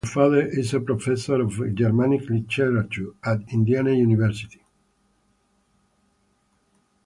Her father is a professor of Germanic literature at Indiana University.